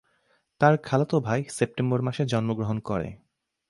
তার খালাতো ভাই সেপ্টেম্বর মাসে জন্মগ্রহণ করে।